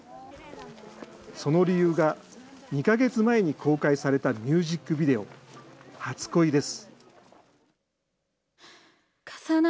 その理由が２か月前に公開されたミュージックビデオ、初恋です。